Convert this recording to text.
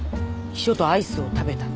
秘書とアイスを食べた。